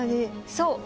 そう。